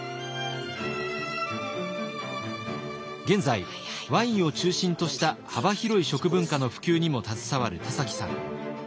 現在ワインを中心とした幅広い食文化の普及にも携わる田崎さん。